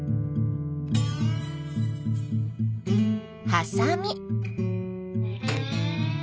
ハサミ。